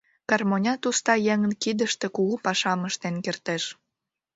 Гармонят уста еҥын кидыште кугу пашам ыштен кертеш!